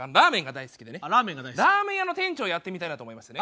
ラーメン屋の店長やってみたいなと思いましてね。